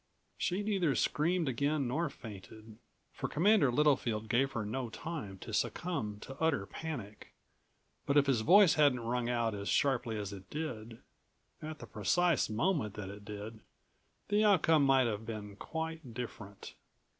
She neither screamed again nor fainted, for Commander Littlefield gave her no time to succumb to utter panic. But if his voice hadn't rung out as sharply as it did at the precise moment that it did the outcome might have been quite different.